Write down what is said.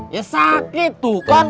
ya sakit tuh kan